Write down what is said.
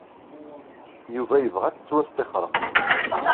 Yuba yebɣa ad tettwastixrem.